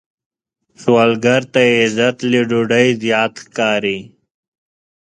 سوالګر ته عزت له ډوډۍ زیات ښکاري